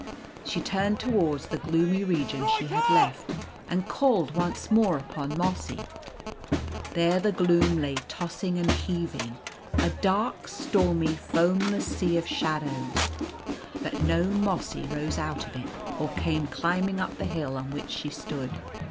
She turned towards the gloomy region she had left, and called once more upon Mossy. There the gloom lay tossing and heaving, a dark, stormy, foaui less sea of shadows, but no Mossy rose out of it, or came climbing up the hill on which she stood.